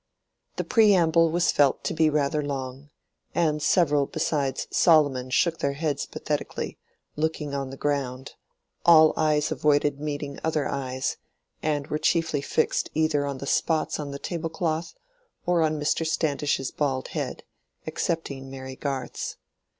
The preamble was felt to be rather long, and several besides Solomon shook their heads pathetically, looking on the ground: all eyes avoided meeting other eyes, and were chiefly fixed either on the spots in the table cloth or on Mr. Standish's bald head; excepting Mary Garth's.